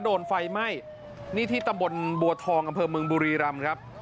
โดนไฟไหม้นี่ที่ตำบลบัวทองอำเภอเมืองบุรีรำครับ